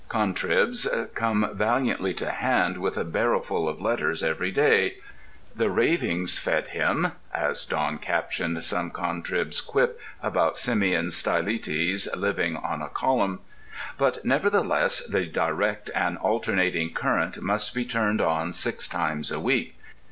Contribs come valiantly to hand with a barrowful of letters every day—("The ravings fed him" as Don captioned some contrib's quip about Simeon Stylites living on a column); but nevertheless the direct and alternating current must be turned on six times a week.